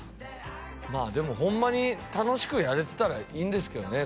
まあでもホンマに楽しくやれてたらいいんですけどね